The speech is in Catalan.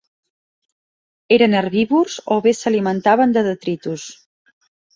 Eren herbívors o bé s'alimentaven de detritus.